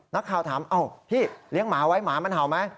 นักข่าวถามพี่เลี้ยงหมาไว้หมามันเห่าไหม